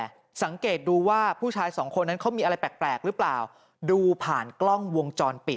หลังจากพบศพผู้หญิงปริศนาตายตรงนี้ครับ